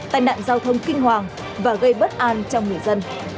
tai nạn giao thông kinh hoàng và gây bất an cho người dân